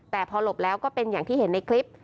แต่พอหลบแล้วก็เป็นอย่างที่เห็นในคลิป